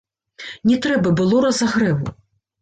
Не трэба было разагрэву!